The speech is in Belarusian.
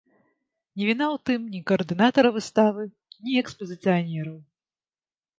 Не віна ў тым ні каардынатара выставы, ні экспазіцыянераў.